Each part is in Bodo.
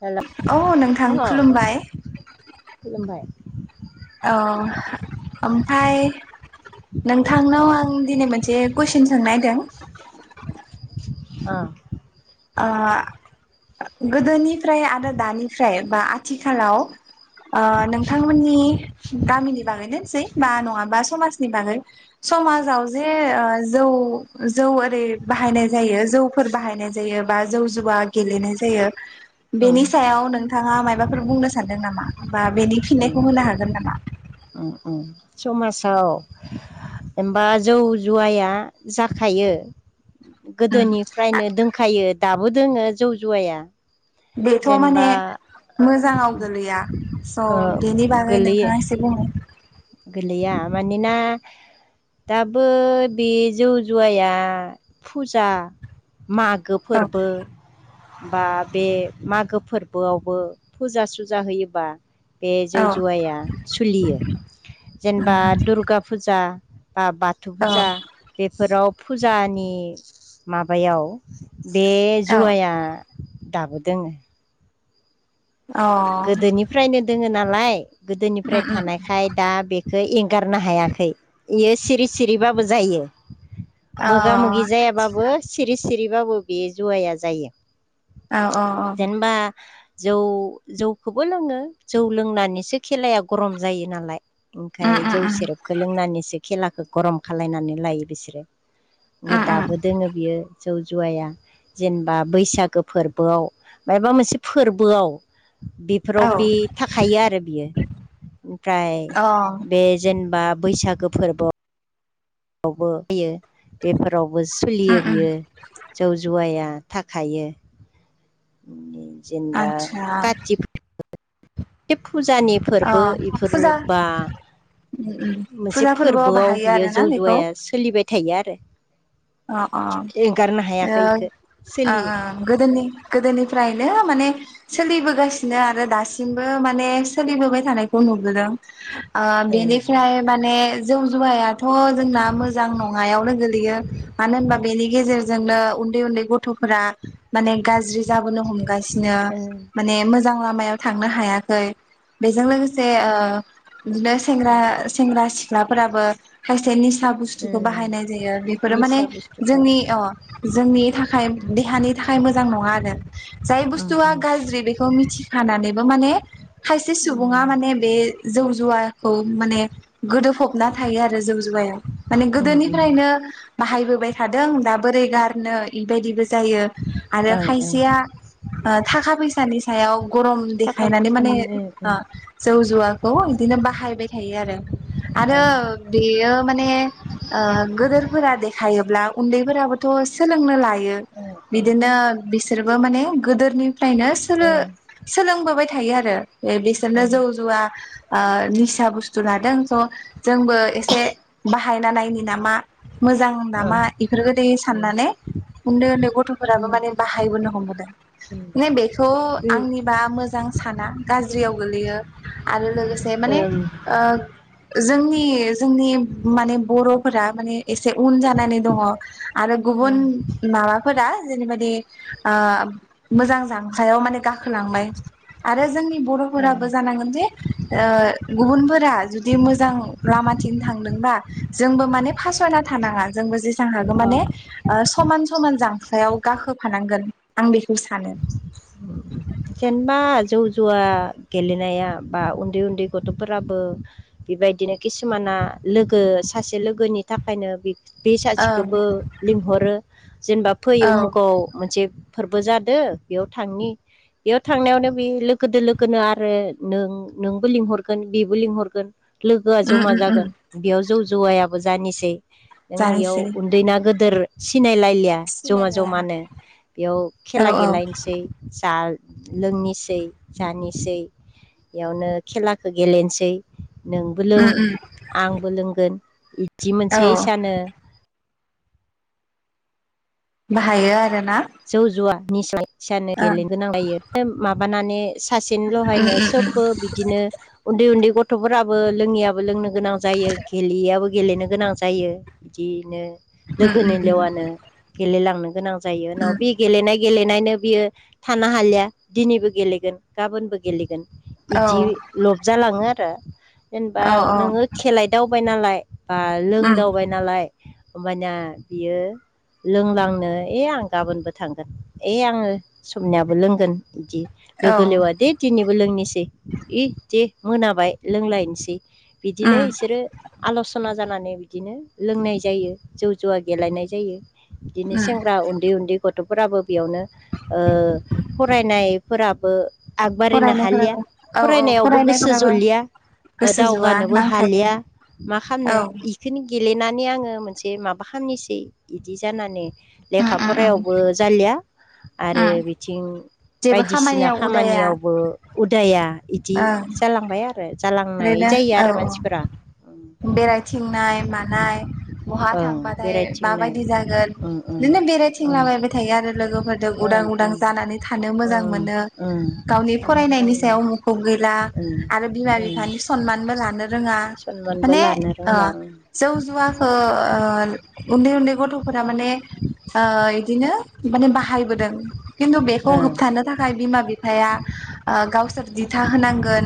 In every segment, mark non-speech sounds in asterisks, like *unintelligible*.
हेलौ औ नोंथां अह खुलुमबाय खुलुमबाय। औ। ओमफ्राय नोंथांनाव आं दिनै मोनसे कुइसन सोंनायदों। अ। अ गोदोनिफ्राय आरो दानिफ्राय बा आथिखालाव ओ नोंथांमोननि गामिनि बागैनोसै बा नङाबा समाजनि बागै समाजाव जे जौ जौ ओरै बाहायनाय जायो जौफोर बाहायनाय जा यो बा जौ जुवा गेलेनाय जायो ओं बेनि सायाव नोंथाङा माइबा फोर बुंनो सानदों नामा बा बेनि उम फिननायखौ होनो हागोन नामा? उम उम समाजाव एबा जौ जुवाया जाखायो गोदोनिफ्रायनो दोंखायो दाबो दोङो जौ जुवाया बेथ' माने जेनेबा मोजाङाव गोलैया स' ओ बेनि बागै गोलैयो नोंथाङा एसे बुं गोलैया मानोना दाबो बे जौ जुवाया फुजा मागो औ फोरबो बा बे मागो फोरबोआवबो फुजा सुजा होयोबा बे जौ औ जुवाया सोलियो जेनेबा उम दुर्गा फुजा बा बाथौ फुजा बेफोराव फुजानि माबायाव बे औ जुवाया दाबो दोङो अ गोदोनिफ्रायनो दोङो नालाय उम गोदोनिफ्राय उम थानायखाय दा बेखौ एंगारनो हायाखै बेयो सिरि सिरिबाबो जायो अ औ मोगा मोगि जायाबाबो सिरि सिरिबाबो बे जुवया जायो औ औ जेनेबा जौ जौखौबो लोङो जौ लोंनानैसो खेलाया गरम जायो नालाय उम ओमफ्राय उम जौ सेरेबखौ लोंनानैसो खेलाखौ गरम खालायनानै लायो बिसोरो उम उम दाबो दोङो बियो जौ जुवाया जेनेबा बैसागो फोरबोआव मायाबा मोनसे फोरबोआव औ बेफोराव बि थाखायो आरो बियो ओमफ्राय अ उम बे जेनेबा बैसागो फोरबो आवबो होयो बेफोरावबो सोलियो उम बियो जौ जुवाया थाखायो जेनेबा आतसा कातिख बेब फुजानि अ फोरबो बेफोर फुजा बा उम उम मोनसे फुजा फोरबोआव बाहायो बियो आरोना जौ बेखौ जुवाया सोलिबाय थायो आरो अ अ एंगारनो ओ हायाखै ओ इखो सोलियो ओ गोदोनि गोदोनि फ्राइनो माने सोलिबोगासिनो आरो दासिमबो माने सोलिबोबाय थानायखौ नुबोदों आ ओ बेनिफ्राय माने जौ जुवायाथ' जोंना मोजां नङायावनो गोलैयो मानो होनबा बेनि गेजेरजोंनो उन्दै उन्दै गथ'फोरा माने गाज्रि जाबोनो हमो गासिनो ओ माने मो मोजां लामायाव थांनो हायाखै बेजों लोगोसे ओ बिदिनो सेंग्रा सेंग्रा सिख्लाफोराबो खायसे निसा ओ बुस्थुखौ बाहायनाय जायो बेफोरो माने निसा बुस्थुखौ जोंनि ओ जोंनि देहानि थाखाय मोजां नङा आरो जाय उम बुस्थुआ उम गाज्रि बेखौ मिथिखानानै बो माने खायसे सुबुङा माने बे जौ जुवा खौ माने गोदोफबना थायो आरो जौ जुवाया माने उम उम गोदोनिफ्रायनो बाहायबो बोबाय थादों दा बोरै गारनो बेबायदिबो जायो आरो ओं ओं खायसेया थाखा फैसानि सायाव गरम थाखा देखायनानै माने फैसानि ओ जौ ओ जुवाखौ बिदि बाहायबाय थायो आरो आरो बेयो माने ओ गेदोरफोरा देखायो माने उन्दैफोराबोथ' सोलोंनो लायो ओ ओ बिदिनो बिसोरबो माने गोदोरनिफ्रायनो सोलो सोलोंबोबाय थायो आरो बे बिसोरनो जौ जुवा निसा बुस्थु लादों स' जोंबो एसे बाहायना नायनि नामा मोजां नामा इफोरगोदि साननानै उन्दै उन्दै गथ'फोराबो माने बाहायबोनो हमबोदों ओ माने बेखौ आंनिबा मोजां आं साना गाज्रियाव गोलैयो आरो लोगोसे माने ओ जोंनि जोंनि माने बर'फोरा माने एसे उन जानानै दङ आरो गुबुन माबाफोरा जेरैबादि मोजां जांखायाव माने गा खोलांबाय आरो जोंनि ओ बर'फोराबो जानांगोन जे गुबुनफोरा जुदि मोजां लामाथिंनो थांदोंबा जोंबो माने फासयना थानाङा जोंबो जेसां हागौ ओ माने समान समान जां खायाव गाखोफानांगोन आं बेखौ सानो जेनेबा जौ जुवा गेलेनाया बा उन्दै उन्दै गथ'फोराबो बेबायदिनो किसुमाना लोगो सासे लोगोनि थाखायनो बे ओं सासेखौबो लिंहरो जेनेबा फै औ उमुगाव मोनसे फोरबो जादो बेयाव थांनि बेयाव थांनायावनो बे लोगोदो लोगोनो आरो नों नोंबो लिंहरगोन बेबो लिंहरगोन लोगोआ उम जमा उम उम जागोन बेयाव जौ जौवायाबो जानोसै। नों इयाव जानोसै उन्दैना गोदोर सिनायलायलिया जमा सिनायलाया जमानो बेयाव औ खेला औ गेलायनोसै जा लोंनोसै जानोसै बेयावनो खेलाखौ गेलेनोसै। नोंबो लों उम उम आंबो लोंगोन बिदि औ मोनसे इसानो बाहायो आरोना जौ जुवा निसा निसानो ओं गेलेनो गोनां जायो माबानानै उम सासेनिल'हायनो उम सोबबो बिदिनो उन्दै उन्दै गथ'फोराबो लोङियाबो लोंनो गोनां जायो गेलेयियाबो गेलेनो गोनां जायो बिदिनो उम उम लोगोनि उम लेवानो गेलेलांनो गोनां जायो उनाव उम बे गेलेनाय गेलेनायनो बियो थानो हालिया दिनैबो गेलेगोन गाबोनबो गेलेगोन औ बिदि लबजालाङो आरो जेनेबा औ औ नोङो खेलायदावबाय नालाय बा उम लोंदावबाय नालाय होमबानिया बियो लोंलांनो ए आं गाबोनबो थांगोन ओइ आङो सबनियाबो लोंगोन बिदि औ लोगो लेवा दे दिनैबो लोंनोसै दे मोनाबाय लोंलायनोसै बिदिनो उम बिसोरो आल' सना जानानै बिदिनो लोंनाय जायो जौ जुवा गेलेनाय जायो। बिदिनो उम सेंग्रा उन्दै उन्दै गथ'फोराबो बेयावनो फरायनायफोराबो आगबारिनो हालिया फरायनायफोराबो औ औ फरायनायावबो गोसो फरायनायफोराबो जलिया गोसो ज'आ दावगानोबो नांथायो हालिया मा औ खालामनो बेखौनो गेलेनानै आङो मोनसे माबा खालामनोसै बिदि जानानै उम लेखा उम उम फरायाव बो जालिया आरो उम बिथिं जेबो बायदिसिना खामानियाव उदाया खामानियावबो उदाया बिदि ओं जालांबाय आरो जालांनाय ओरैनो जायो औ आरो औ मानसिफोरा। बेरायथिंनाय मानाय बहा ओं थांबाथाय बेरायथिंनाय माबायदि जागोन ओं ओं बिदिनो बेराय ओं थिंलाबायाबाय थायो आरो लोगोफोरजों उदां ओं उदां ओं जानानै थानो मोजां ओं मोनो ओं गावनि थानो फरायनाय मोजां बेनि मोनो सायाव मुखुब गैला ओं आरो बिमा ओं बिफानि सनमानबो लानो रोङा। सनमानबो माने लानो रोंला ओं जौ जुवाखौ उन्दै उन्दै गथ'फोरा माने ओ इदिनो माने बाहायबोदों खिन्थु बेखौ ओं होबथानो थाखाय बिमा बिफाया गावसोर दिथा होनांगोन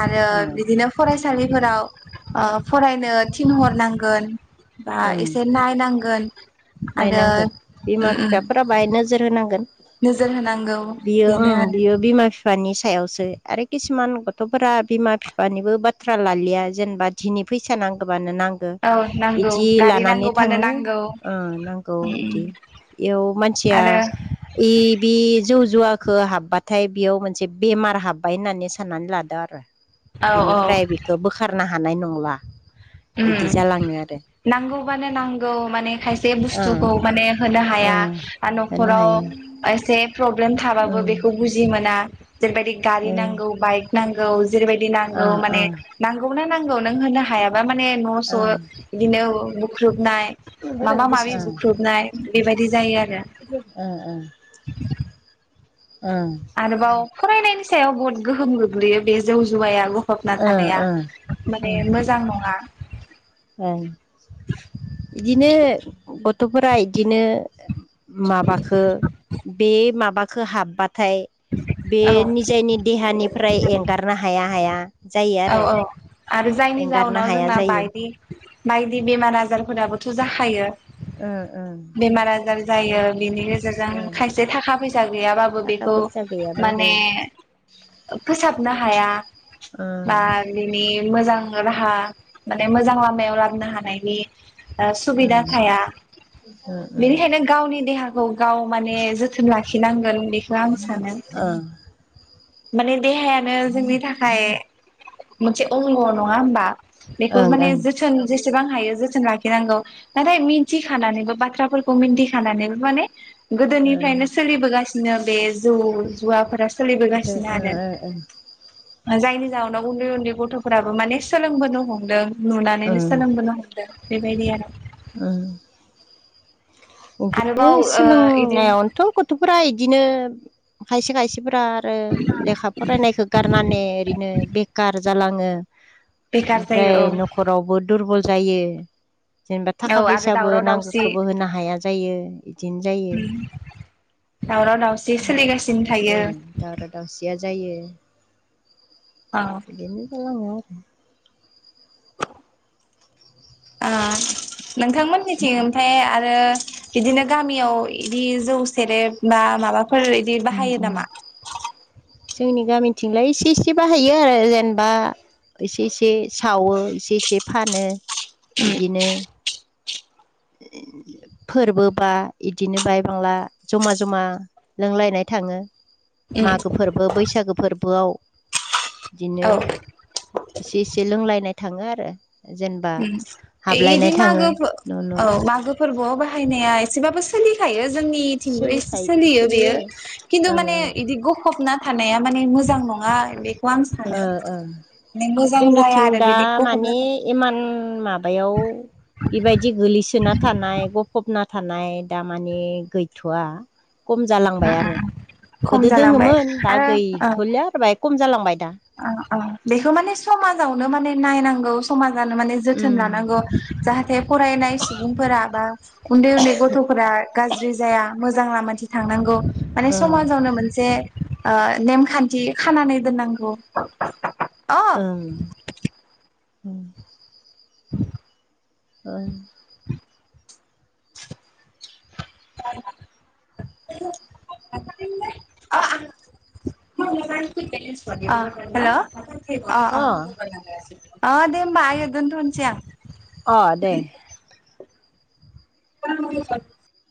आरो ओं बिदिनो फरायसालिफोराव फरायनो थिन हरनांगोन बा ओं एसे नायनांगोन आरो नायनांगोन बिमा उम उम बिफाफोरा बाहाय नोजोर होनांगोन नोजोर होनांगौ बियो बेनो ओं बियो बिमा बिफानि सायावसो आरो किसुमान गथ'फोरा बिमा बिफानिबो बाथ्रा लालिया जेनेबा दि फैसा नांगौबानो नांगौ आरो औ नांगौ इदि गारि लानानै नांगौबानो थाङो नांगौ ओ नांगौ उम उम इदि बेयाव मानसिया आरो बे जौ ज हुवाखौ हाबबाथाय बेयाव मोनसे बेमार हाब्बाय होननानै साननानै लादों आरो औ औ बिनिफ्राय बेखौ बोखारनो हानाय नंला इदि जालाङो आरो नांगौबानो नांगौ माने खायसे ओ बुस्थुखौ मान होनो ओ हाया होनो न'खराव हायो खायसे प्रब्लेम थाबाबो उम बेखौ बुजि मोना जेरैबायदि गारि उम नांगौ बाइक नांगौ जेरैबायदि ओ नांगौ माने ओ नांगौ नांगौ नांगौ नों होनो हायाबा माने न' स' बिदिनो बुख्रुबनाय बिदिनो माबा माबि बुख्रुबनाय बेबायदि जायो आरो *inaudible* आरोबाव फरायनायनि सायाव बहुत गोहोम गोग्लैयो बे जौ जुवाय आग हबना थानाया माने मोजां नङा बिदिनो गथ'फोरा इदिनो माबाखो बे माबाखो हाबबा नाथाय बे औ निजायनि देहानिफ्राय एंगारनो हाया हाया जायो औ आरो औ आरो जायनि एंगारनो जाउनाव हाया जोंना जायो बायदि बायदि बेमार आजारफोराबोथ' जाखायो ओं ओं बेमार आजार जायो बिनि गेजेरजों खायसे थाखा फैसा गैयाबाबो थाखा बेखौ फैसा गैयाबाबो माने फोसाबनो हाया ओम बा बिनि मोजां राहा माने मोजां लामायाव लाबोनो हानायनि ओ सुबिदा ओम थाया ओम ओम बेनिखायनो गावनि देहाखौ गाव माने जोथोन लाखिनांगोन बेखौ आं सानो ओं माने देहायानो जोंनि थाखाय मोनसे अंग नङा होमबा बेखौ ओं माने ओं जोथोन जेसेबां हायो जोथोन लाखि नांगौगौ नाथाय मिथि खानानैबो बाथ्राफोरखौ मिथि खानानैबो माने ओं गोदोनिफ्रायनो सोलिबोगासिनो बे जौ जुवाफोरा सोलिबोगासिनो उ आरो उ उ जायनि जाहोननाव उन्दै उन्दै गथ'फोराबो माने सोलोंबोनो हमदों नुनानैनो सोलोंबोनो हमदो बेबायदि आरो ओ बिदिनो आरोबाव ओ इदि सोलोंनायावनोथ' गथ'फोरा इदिनो खायसे खायसे मानसिफोरा आरो लेखा फरायनायखौ गारनानै ओरैनो बेखार जालाङो बेखार जायो ओमफ्राय औ न'खरावबो दुरबल जायो जेनेबा थाखा औ आरो फैसाबो दावराव दावसि नांगौखौबो होनो हाया जायो बिदिनो जायो दावराव दावसि सोलिगासिनो थायो दावराव दावसिया जायो औ बिदिनोनो जालाङो आरो नोंथांमोननिथिं ओमफ्राय आरो बिदिनो गामियाव इदि जौ सेरेब बा माबाफोर इदि बाहायो नामा? जोंनि गामिथिंलाय इसे इसे बाहायो आरो जेनेबा इसे एसे सावो इसे ए इसे फानो उम बिदिनो फोरबो बा बिदिनो बाय बांला जमा जमा लोंलायनाय थाङो उम मागो फोरबो बैसागो फोरबोआव बिदिनो औ एसे इसे लोंलायनाय थाङो आरो जेनेबा हाबलायनाय थाङो इदिमागो न' न' औ मागो फोरबोआव बाहायनाया एसेबाबो सोलिखायो जोंनिथिंबो एसे सोलियो बेयो खिन्थु ओं माने ओं बिदि गफबना थानाया माने मोजां नङ नङा बेखौ आं सानो ओ ओ माने मोजां जाया जोंनिथिं आरो दा बिदिखौ माने हरनो स माबायाव बिबायदि गोलैसोना थानाय गफबना थानाय थानाय दामानिे गैथ'आ खम जालांबाय आरो खम गोदो जालांबाय दोङोमोन दा आरो ओ गैथ'लिया आरो ब खम जालांबाय दा औ बेखौ माने समाजावनो माने नायनांगौ समाज *unintelligible* जोथोन उम लानानगौ जा फरायनाय सुबुंफोरा बा उन्दै उन्दै गथ'फोरा गाज्रि जाया मोजां लामाथि थांनांगौ माने ओ समाजावनो मोनसे ओ नेमखान्थि खानानै दोननांगौ अ ओ *inaudible* *inaudible* *unintelligible* हेल' अ अ अ दे होमबा आयो दनथसै आं अ दे *unintelligible*